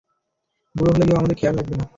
বুড়ো হলে কেউ আমাদের খেয়াল রাখবে না।